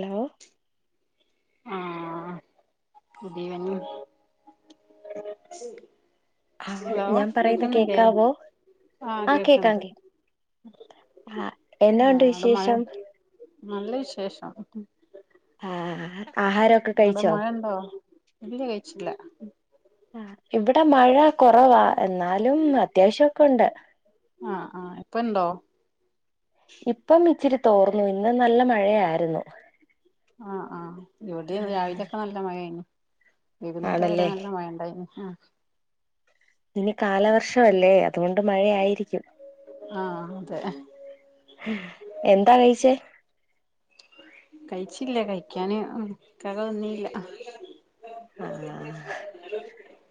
Hello ആ പുതിയ [inaudible] ആ ഹലോ ഞാൻ പറയുന്ന കേക്കുന്നില്ലേ കേക്കാവോ ആ കേക്കാം കേക്ക്ണ്ട്. കേക്കാം ആ എന്നാ ആ ഉണ്ട് അവിടെ മഴ, വിശേഷം നല്ല വിശേഷം. ആ ആഹാരമൊക്കെ അവിടെ കഴിച്ചോ മഴ ഇണ്ടോ? ഇല്ല കഴിച്ചിട്ടില്ല. ആ ഇവിടെ മഴ കൊറവാ എന്നാലും അത്യാവശ്യം ഒക്കെ ഉണ്ട്. ആഹ് ആഹ് ഇപ്പ ഇണ്ടോ ഇപ്പം ഇച്ചിരി തോർന്നു. ഇന്ന് നല്ല മഴയായിരുന്നു. ആഹ് ആഹ് ഇവിടെ രാവിലെയൊക്കെ നല്ല മഴയായിന് വൈകുന്നേരം വരെ ആണല്ലേ നല്ല മഴ ഇണ്ടായിന് ആ ഇനി കാലവർഷമല്ലേ അതുകൊണ്ട് മഴയായിരിക്കും. ആഹ് അതെ എന്താ കഴിച്ചേ? കഴിച്ചില്ല, കഴിക്കാന് ഇക്കാക്ക വന്നില്ല. ആ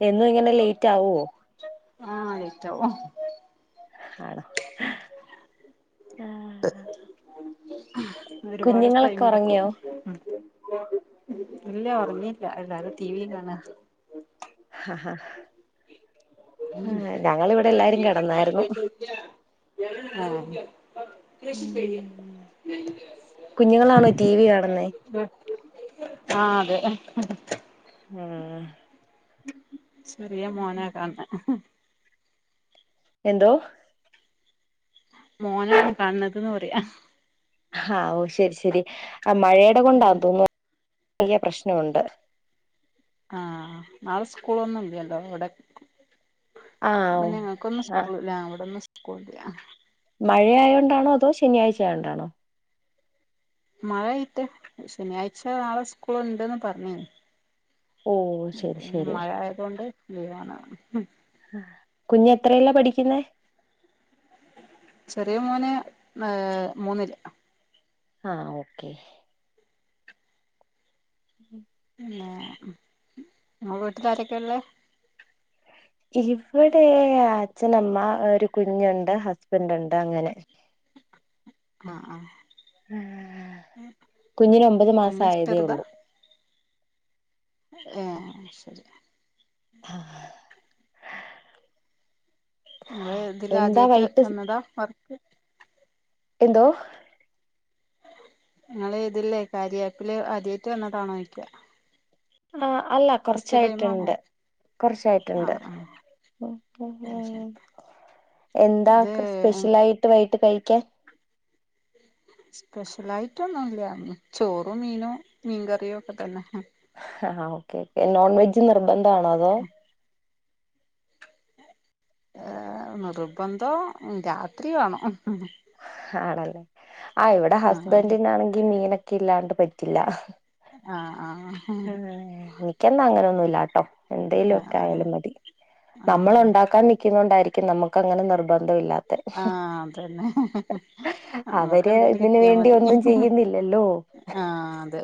എന്നും ഇങ്ങനെ ലേറ്റ് ആവോ? ആ ലൈയിറ്റാവും. [unintelligible] [inaudible] ഒരുപാട് കുഞ്ഞുങ്ങളൊക്കെ ടൈമെടുക്കും. ഉറങ്ങിയോ ഇല്ല ഉറങ്ങീല്ല, എല്ലാരും ടി വി കാണാ ഹഹഹ കിടന്നായിരുന്നു ഉം. കുഞ്ഞുങ്ങളാണോ ടി വി കാണുന്നേ ആ [unintelligible] ആ അതെ ആ ചെറിയ മോന കാൺണേ [unintelligible] [inaudible] എന്തോ മോനാണ് കാണണതിന്ന് പറയാ ആ ഓ ശെരി ശെരി ആ മഴയുടെ കൊണ്ടാന്ന് തോന്നുന്നു ചെറിയ പ്രശ്നോണ്ട് ആ നാളെ സ്കൂളൊന്നും ഇല്ലല്ലോ ഇവടെ ആഹ് ഇപ്പ ഓ ഞങ്ങൾക്കെന്നും ആഹ് സ്കൂളില്ല ആ ഇവിടെന്നു കൂളില്ല മഴയായോണ്ടാണോ അതോ ശെനിയാഴ്ച ആയോണ്ടാണോ? മഴായിട്ട് ശെനിയാഴ്ച നാളെ സ്കൂള് ഇണ്ട്ന്ന് പറഞ്ഞി ഓ ശെരി ശെരി ലീവാണ് കുഞ്ഞ് എത്രയിലാ പഠിക്കുന്നേ ചെറിയ മോന് ഏഹ് മൂന്നില് ആ ഓക്കെ ഉം പിന്നെ നിങ്ങള വീട്ടില് ആരൊക്കെയാ ഉള്ളെ? അച്ഛൻ അമ്മ ഒരു കുഞ്ഞൊണ്ട് ഹസ്ബെൻ്റുണ്ട് അങ്ങനെ ആ ആ കുഞ്ഞിന് ഒമ്പത് മാസം കുഞ്ഞ് ആയതേ ചെറുതാ ഉള്ളൂ ആഹ് അത് ശെരി ഇങ്ങള് ഇതില് എന്താ ആദ്യായിട്ട് വൈകിട്ട് വന്നതാ വർക്ക് എന്തോ [unintelligible] ആ അല്ല ഫസ്റ്റ് ടൈം ആണോ കൊറച്ചായിട്ടിണ്ട് കൊറച്ചായിട്ടിണ്ട് ആഹ് ആഹ് പിന്നെ അത് ശരി എന്താ ഇത് സ്പെഷ്യലായിട്ട് വൈകിട്ട് കഴി ക്കാൻ. സ്പെഷ്യലായിട്ടൊന്നുല്ല ചോറും മീനും മീൻ കറിയും ഒക്കെ തന്നെ ആഹ് ഓക്കേ ഓക്കെ നോൺ വെജ് നിർബന്ധ ന്ധാണോ അതോ ഏഹ് നിർബന്ധം രാത്രി വാണം. ആണല്ലേ അ ഇവടെ ആഹ് ഹസ്ബെൻറിനാണെങ്കി മീനൊ ഇല്ലാണ്ട് പറ്റില്ല ആഹ് ആഹ് ആ എനിക്കൊന്നും അങ്ങനെ ഒന്നുല്ല [unintelligible] എന്തേലും ആഹ് ഒക്കെ ആഹ് ആയാലും മതി നമ്മള് ആഹ് ഒണ്ടാക്കാൻ നിക്കുന്നോണ്ടായിരി നമുക്കങ്ങനെ നിർബന്ധം ഇല്ലാ ആഅതന്നെ നമ്മക്ക് അവര് എന്തൽ ഇതിന് കിട്ടിയാ വേണ്ടി മതി ഒന്നും ചെയ്യുന്നില്ലല്ലോ ആ അതെ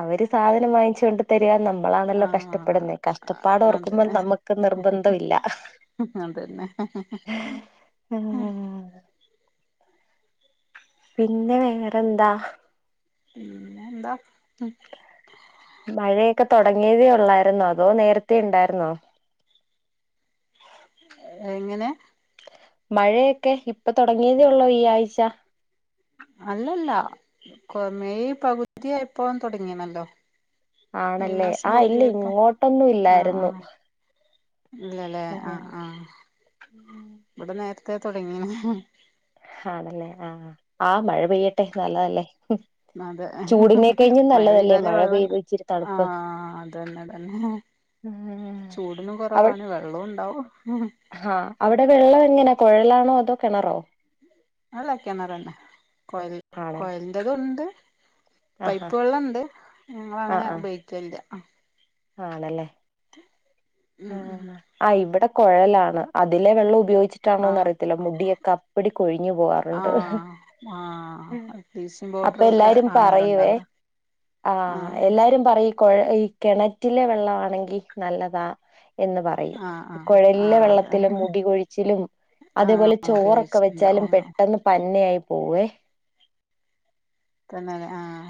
അവര് സാധനം വാങ്ങിച്ചൊണ്ട് തരിരാ നമ്മു നമ്മളാണല്ലോ ആഹ് കഷ്ടപ്പെടുന്നത്കഷ്ടപ്പാട് അതെ ഓർക്കുമ്പോൾ നമ്മുക്ക് നിർബന്ധം ഇല്ല അതന്നെ പിന്നെ വേറെന്താ പിന്നെ എന്താ മഴയൊ ക്കെ തുടങ്ങിയതേ ഉള്ളായിരുന്നോ അതോ നേരത്ത ഉണ്ടായിരുന്നോ? എങ്ങനെ മഴയൊക്കെ ഇപ്പൊ തുടങ്ങിയതേയുള്ളൂ ഈയാഴ്ച അല്ലല്ല കേ മെയ് പകുതിയായപ്പോ തുടങ്ങിണല്ലോ ഈ ആണല്ലേ മാസം ആ ഇല്ല പകുതിയായപ്പം ഇങ്ങോട്ടൊന്നും അ അ ഇല്ലായിരുന്നു ഇല്ലല്ലേ ആ അ അ ഇവിടെ നേര ക്കെ തുടങ്ങിണ് ആണല്ലേ ആ ആ മഴ പെയ്യട്ടെ നല്ലതല്ലേ അതെ ചൂടിനെ കഴിഞ്ഞും മഴ നല്ലതല്ലേ പെയ്താലേ മഴ വെള്ളം പെയ്ത് ഇച്ചിരി ആ തണുപ്പ് അതന്നെ തന്നെ ആ ചൂടിനും അവ കുറവാണ് വെള്ളം ഉണ്ടാവും ആ അവിടെ വെള്ളം എങ്ങനെ കുഴലാണോ അതോ കിണറോ അല്ല കിണറന്ന കോയൽ ആണല്ലേ കോയലിന്റെതും ഉണ്ട് ആഹാ പൈപ്പ് വെള്ളംണ്ട് ഞങ്ങള് ആ അങ്ങനെ ആ ഉപയോഗിക്കലില്ല. ആണല്ലേ ഉം ഉം ആഹ് ആ ഇവിടെ കൊഴലാണ് അതിലെ വെള്ളം ഉപയോഗി ച്ചിട്ടാണോ ആഹ് എന്നറിയത്തില്ല മുടിയൊക്കെ അപ്പടി കൊഴിഞ്ഞ് പോവാറുണ്ട് ആഹ് [unintelligible] ആഹ് ബ്ലീച്ചിങ് പൗഡറൊക്കെ അപ്പയെല്ലാരും ആണല്ലോ പറയുവെ ഉണ്ടാവ ആഹ് എല്ലാരും പറയും കൊഴ ഈ കെണറ്റ് റ്റിലെ വെള്ളവാണെങ്കി നല്ലതാ എന്ന് പറയും ആഹ് ആഹ് കൊഴലിലെ ആഹ് അതെ വെള്ളത്തിലും മുടി കൊഴിച്ചിലും ആഹ് അതെപോലെ ചോറൊക്കെ വെച്ചാലും മോട്ടിവേഷൻണ്ടാവും ആഹ് പെട്ടെന്ന് പന്നയായി ഉവ്വേ [unintelligible] ആഹ്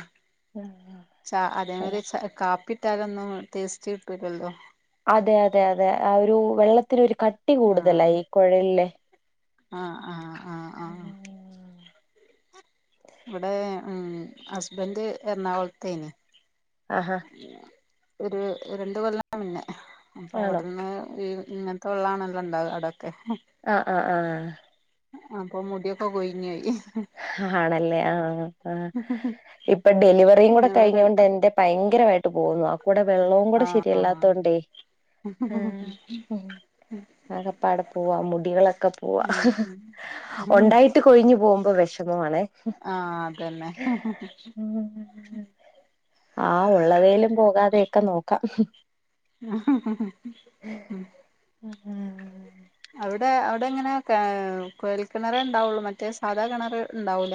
ചാ അതെങ്കില് ച കാപ്പി ഇട്ടാല് ഒന്നും ടേസ്റ്റ് കിട്ടൂലല്ലോ അതെ അതെ അതെ ഒരു വെള്ളത്തിന് കട്ടി ആഹ് കൂടുതലാ ഈ കൊഴൽലെ ആഹ് ആഹ് ആഹ് ആഹ് [unintelligible] ഇവിടെ ഉം ഹസ്ബൻഡ് എറണാകുളത്തേന് ആഹാ [inaudible] ഒരു രണ്ട് കൊല്ലം മുന്നേ അപ്പൊ ആണോ അവിടന്ന് ഇങ്ങൻത്തെ വെള്ളാണല്ലോ ഇണ്ടാവാ അവിടെ ആഹ് ആഹ് ആഹ് അപ്പൊ മുടിയൊക്കെ കൊയ്ഞ്ഞോയി ആണല്ലേ ആഹ് ആഹ് ആ ഇപ്പൊ ഡെലിവറിം കൂടെ ഇവര് കയിഞ്ഞോണ്ടെന്റെ ഭയങ്കര വെ ട്ട് പോന്ന അപ്പോടെ വെള്ളോം കൂടെ ആഹ് ആഹ് ശെരിയല്ലാത്തോണ്ട് ആകപ്പാടെ പോക മുടികളോക്കെ പോക ഉം ഉം ഒണ്ടായിട്ട് കൊഴിഞ്ഞു പോകുമ്പോ വെഷമ ആഹ് അതന്നെ [unintelligible] ആ ഉള്ളതേലും പോകാതെയൊക്കെ നോക്കാം ആ ആ ഉം അവിത [unintelligible] എങ്ങനെ ഏ കുഴൽ കിണറ ഉണ്ടാവുള്ളൂ മറ്റേ സാധാ കിണർ ഉണ്ടാവൂല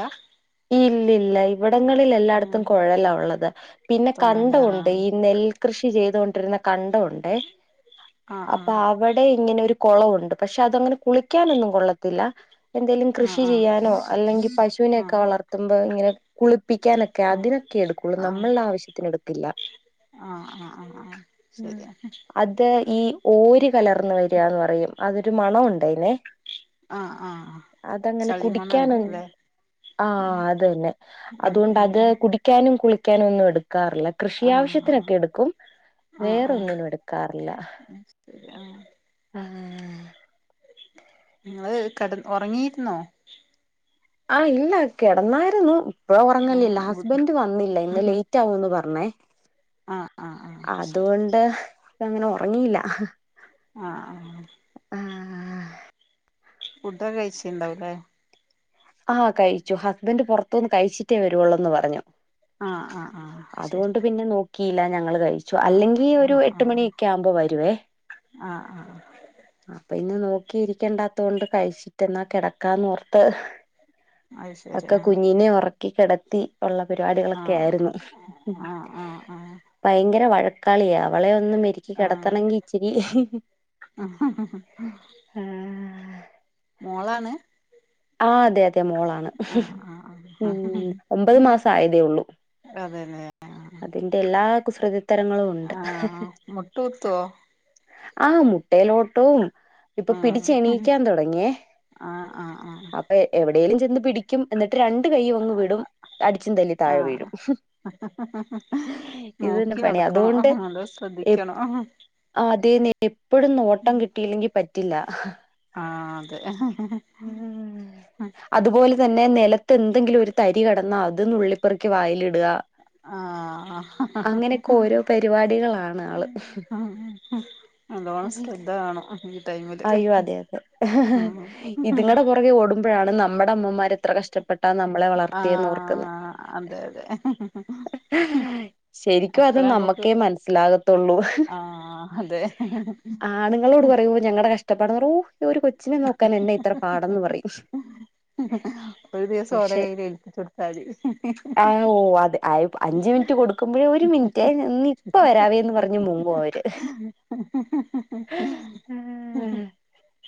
ഇല്ലില്ലാ ഇവിടങ്ങളിൽ എല്ലായിടത്തും കുഴലാ ഉള്ളത് പിന്നെ തൊണ്ണൂല് കണ്ടോണ്ട് ഈ നെൽകൃഷി കൃഷി ചെയ്തോണ്ടിർന്ന കണ്ടൊണ്ടേ ആ ആ അപ്പൊ അവിടെ ഇങ്ങനെ ഒരു- കൊളവുണ്ട് പക്ഷെ അതങ്ങനെ കുളിക്കാനൊന്നും കൊള്ളത്തില്ല എന്തേലും ആ കൃഷി ആ ആ ചെയ്യാനോ അല്ലെങ്കിൽ പശുവിനെ- ആ ക്ക വളർത്തുമ്പോ ഇങ്ങനെ കുളിപ്പിക്കാനൊക്കെ ആ ആ അതിനൊക്കെ ഇടുക്കുള്ളു നമ്മൾളെ ആവശ്യത്തിനെടുക്കില്ല ആ ആ ആ ആ ശരി അത് ഈ ഓര് കലർന്ന് വരാന്ന് പറയും അത് ഒരു മണോ ഒണ്ടായിനേ ആ ആ ആഹ് ചെളിമണണ്ട്ലേ ആഹ് അത് തന്നെ അതുകൊണ്ടത് ഉം കുടിക്കാനും കുളി ക്ക്യാനൊന്നും എട് ക്കാറില്ല. കൃഷി ആ ആവശ്യത്തിനൊക്കെ എട്ക്കും ആ ആ വേറൊന്നിനും എട്ക്കാറില്ല. ശരി ആ ആഹ് നിങ്ങള് കട ഒറങ്ങീര്ന്നോ? ആ ഇല്ല കെടന്നായിരുന്നു. പ്പൊ ഒറങ്ങലില്ല ഹസ്ബൻ്റ് വന്നില്ല ഇന്ന് ലേറ്റ് ആവുന്ന് പർണേ ആ ആ ആ ആ ശരി അതുവൊണ്ട് ഇപ്പങ്ങനെ ഒ ഒറങ്ങീല്ല ആഹ് ആഹ് ഫുഡൊ കെഴ്ചിണ്ടാവുലേ ആഹ് കഴിച്ചു ഹസ്ബൻ്റ് പൊറത്തുന്ന് കഴിച്ചിട്ടേ വരുവൊള്ളൂന്ന് പറഞ്ഞു. ആ ആ ആ ശരി കീല ഞങ്ങള് കഴിച്ചു ആ അല്ലെങ്കി ആ ഒരു ആ എട്ടുമണി ഒക്കെ ആവുമ്പൊ വരുവെ ആഹ് ആഹ് [unintelligible] ഇക്കിരിക്കെണ്ടാത്തോണ്ട് കഴിച്ചിട്ട് ന്നാ കെടക്കാൻ ന്ന് ഓർത്ത് അത് ശരി ഒക്കെ ആഹ് കുഞ്ഞിനെ ഒറക്കി കെടത്ത് തി [unintelligible] ഒള്ള പരിപാടികളൊക്കെ ആഹ് ആയിരുന്നു ആഹ് ആഹ് വയങ്കര വഴക് കളിയാവള് ഒന്ന് മെരുക്കി ആഹ് കടത്തണെങ്കി ഇച്ചിരി ആഹ് ഉം മോളാണ് ആ ഏതെ മോളാണ് ആഹ് ആഹ് ആഹ് ഉം ഒമ്പത് മാസായതേ ഒള്ളു അതന്നെ അതിൻ്റെ എല്ലാ കുസൃതിത്തരങ്ങള് ഒണ്ട് ആഹ് മുട്ടുകുത്തുവോ ആ മുട്ടേലോട്ടും ഇപ്പൊ ആഹ് പിടിച്ചെണീക്കാൻ തൊടങ്ങ്യെ ആഹ് ആഹ് ആഹ് എവടേലും ചെന്ന് പിടിക്കും എന്ന് രണ്ട് കൈയും ഒന്ന് വിടും അടിച്ചും തല്ലി താളെ ആഹ് വീഴും ഇത് തന്നെ നോക്കി പണി അത് നടക്കണം ഒണ്ട് നല്ലോം എപ് ശ്രദ്ധിക്കണം ആഹ് ആ തേനെ [unintelligible] ഇവിടുന്നു ഓട്ടം കിട്ടീലെങ്കി പെട്ട് ഇല്ല ആ അതെ അതുപോലെതന്നെ നെലത്തെന്തെങ്കിലും ഒരു തരികെടന്ന അത് നുള്ളി പെറുക്കി വായിലി ആഹ അങ്ങനെയൊക്കെ ഓരോ പരിപാടികളാണ് ആള് ആഹ്ഹ്ഹ് നല്ലോണം ശ്രദ്ധവേണും അയ്യോ അതെ അതെ ഇതുങ്ങളുടെ പുറകെ ഓടുഴാണ് നമ്മൾടെ നമ്മൾടെ അമ്മമ്മരെ എത്ര കഷ്ടപ്പെട്ടാ നമ്മളെ വളർത്തിയെന്ന് ഓർക്കുന്ന് ആഹ് അതെ അതെ ശെരിക്കും അത് അപ്പളെ നമുക്ക് നമ്മൾക്കേ മനസിലാകത്തൊള്ളൂ ആഹ് അതെ ആണുങ്ങളോട് പാറയുബോൾ നമ്മൾടെ കഷ്ടപ്പാടു ഓ ഒരു കൊച്ചിനെ നോക്കാനെന്നാ ഇത്ര പാടെന്ന്പറയും ഒരു ദിവസം ഓലെ പക്ഷെ കയ്യിൽ ഏൽപ്പിച്ചു കൊടുത്താതി ഓ ആഹാ അഞ്ചുമിനിറ്റ് കൊടുക്കുബോഴേ ഒരു മിനിറ്റേ ഇപ്പം വരവേ എന്ന് പറഞ്ഞു മുങ്ങും അവരെ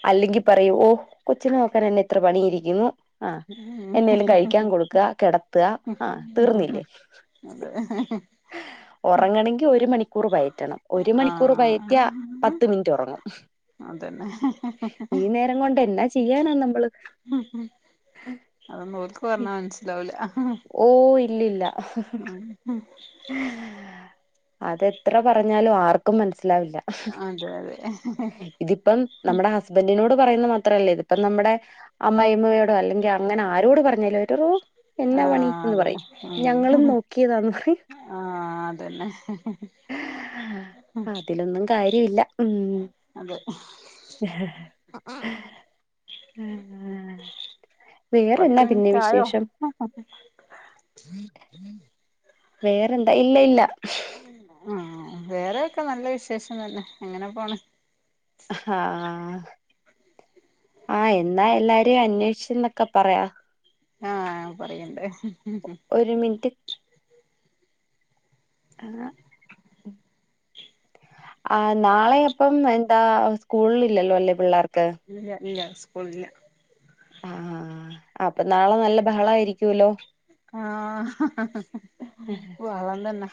അല്ലകിൽ പറയും ഓ കൊച്ചിനെ നോക്കാൻ എന്നാഇത്ര പണിയിരിക്കുന്നു ആഹ് എന്നേലും കഴിക്കാൻ കൊടുക്കാ കിടത്തുക ആഹ് തീർന്നില്ലേ അതെ ഉറങ്ങണകിൽ ഒരു മണിക്കൂർ പയ്റ്റണം ഒരു മണിക്കൂർ പയറ്റിയാൽ പത്ത് മിനിറ്റ് ഉറങ്ങും അതെന്നെ ഈ നേരം കൊണ്ട് എന്നാ ചെയ്യാനാ നമ്മള് മ്മ് അതൊന്നും ഓൽക്ക് പർഞ്ഞാ മൻസ്സിലാവൂലാ ഓ ഇല്ല ഇല്ല അത് എത്ര പറഞ്ഞാലും ആർക്കും മൻസി ലാവില്ല അതെ അതെ ഇതിപ്പം നമ്മടെ ഹസ്ബന്റിനോട്‌ പറയിന്നെ മാത്രവല്ല ഇതിപ്പം നമ്മടെ അമ്മായിഅമ്മയോട് അല്ലെങ്കി അങ്ങനെ ആരോട് പറഞ്ഞാലും ട്ടൊ എന്നാ പണി ആഹ് എന്ന് അതെ പറയും ഞങ്ങളും ഉം നോക്കിയതാന്ന് പറയും ആഹ് അതന്നെ അതിലൊന്നും കാര്യയില്ല ഉം അതെ പാത്ത് വേറെന്നാ പിന്നെ മിനിറ്റ് ആയോ വിശേഷം വേറെന്താ ഇല്ല ഇല്ല ഉം വേറെയൊ ക്കെ നല്ല വിശേഷം തന്നെ അങ്ങനെ പോണ് ഹ്ആ ആ എന്നാ എല്ലാരെം അനേഷിച്ചെന്നൊക്കെ പറയാ ആ പറയെണ്ട് ഒരു മിനിറ്റ് ആ ഉം ആ നാളെ അപ്പം എന്താ സ്കൂൾ ഇല്ലലോ പിള്ളാർ ഇല്ല ഇല്ല സ്കൂൾ ഇല്ല ആ ആ ആ അപ്പ നാളെ നല്ല ബഹളം ആയിരിക്കുവല്ലോ ആ ഓ അയുകൊണ്ട് യെന്നെ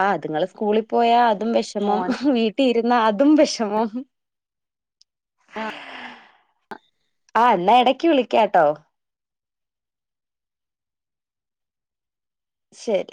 ആ അതുങ്ങൾ സ്കൂളിൽ പോയാൽ അതും വെഷമം മോൻ വീ ട്ടി ഇരുന്നാ അതും വെഷമം അ ആ എന്നാ എടക്ക് വിളിക്കാട്ടോ ശരി